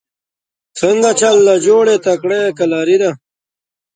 When they lived in Auchtermuchty they attended Bell Baxter High School.